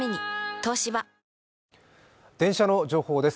東芝電車の情報です。